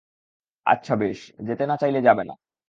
আচ্ছা বেশ, যেতে না-চাইলে যাবে না।